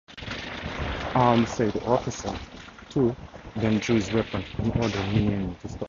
Alm said Officer two then drew his weapon and ordered Myeni to stop.